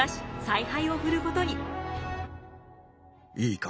いいか。